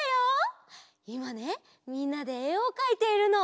いまねみんなでえをかいているの。